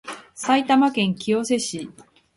埼玉県清瀬市